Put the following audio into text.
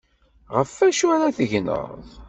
Ɣef wacu ara tegneḍ?